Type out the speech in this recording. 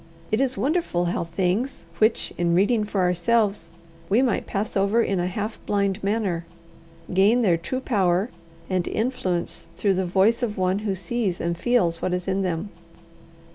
It is wonderful how things which, in reading for ourselves, we might pass over in a half blind manner, gain their true power and influence through the voice of one who sees and feels what is in them.